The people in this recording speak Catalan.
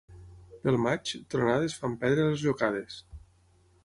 Pel maig, tronades fan perdre les llocades.